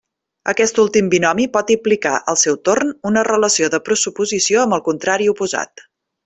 Aquest últim binomi pot implicar, al seu torn, una relació de pressuposició amb el contrari oposat.